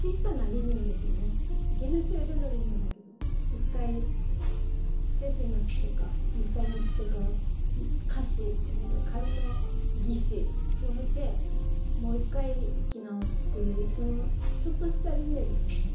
現世での輪廻だけど一回精神の死とか肉体の死とか仮死仮の擬死を経てもう一回生き直すっていうそのちょっとした輪廻ですよね。